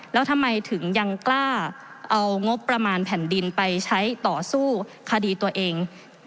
แล้วทำไมถึงยังกล้าเอางบประมาณแผ่นดินไปใช้ต่อสู้คดีตัวเอง